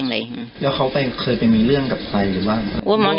ดังหลายแล้วเขาเป็นเคยไปมีเรื่องกับใจหรือบ้าง